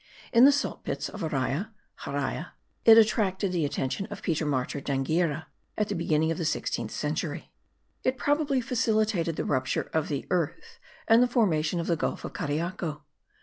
In the salt pits of Araya (Haraia) it attracted the attention of Peter Martyr d'Anghiera at the beginning of the sixteenth century. It probably facilitated the rupture of the earth and the formation of the gulf of Cariaco.